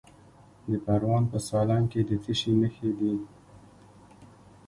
د پروان په سالنګ کې د څه شي نښې دي؟